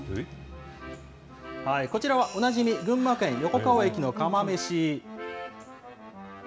こちらはおなじみ、群馬県横川駅の釜めし。